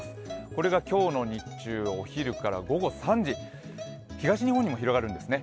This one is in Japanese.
これが今日の日中、午後３時、東日本にも広がるんですね。